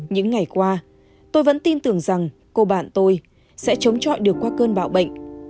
những ngày qua tôi vẫn tin tưởng rằng cô bạn tôi sẽ chống chọi được qua cơn bão bệnh